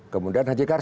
kemudian haji karso